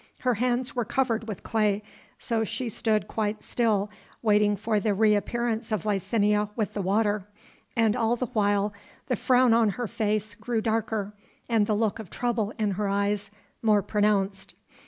Her hands were covered with clay, so she stood quite still waiting for the reappearance of Licinia with the water; and all the while the frown on her face grew darker and the look of trouble in her eyes more pronounced.